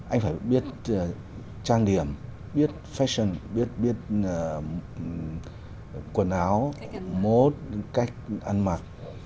anh phải biết trang điểm biết fashion biết quần áo cách ăn mặc